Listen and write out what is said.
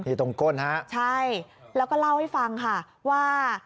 นี่ตรงก้นฮะใช่แล้วก็เล่าให้ฟังค่ะว่า